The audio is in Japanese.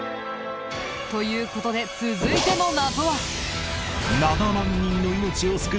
という事で続いての謎は。